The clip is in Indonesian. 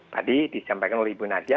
tadi disampaikan oleh ibu nadia